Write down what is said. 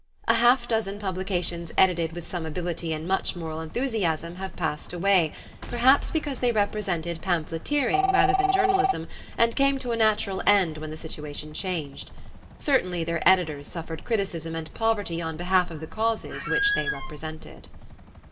A half dozen publications edited with some ability and much moral enthusiasm have passed away, perhaps because they represented pamphleteering rather than journalism and came to a natural end when the situation changed. Certainly their editors suffered criticism and poverty on behalf of the causes which they represented.